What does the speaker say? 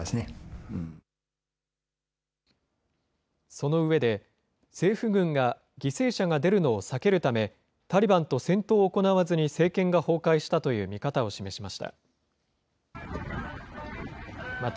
その上で、政府軍が犠牲者が出るのを避けるため、タリバンと戦闘を行わずに政権が崩壊したという見方を示しました。